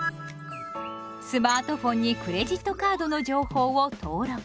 スマートフォンにクレジットカードの情報を登録。